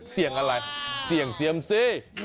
เสี่ยงอะไรเสี่ยงเซียมซี